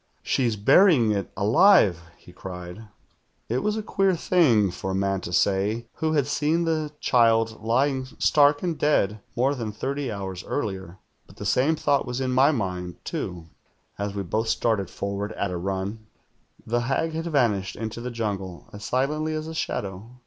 "'She's l)urying it alive!' he cried. "It was a (puMT thing for a man to say, who had seen the child lying stark and dead more than thirty THE GHOUL 133 hours earlier; but the same thought was in my mind, too, as we both started forward at a run. The hag had vanished into the jungle as silently as a shadow.